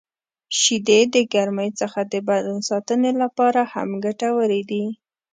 • شیدې د ګرمۍ څخه د بدن ساتنې لپاره هم ګټورې دي.